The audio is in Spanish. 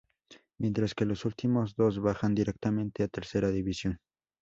Mientras que los últimos dos bajan directamente a Tercera División.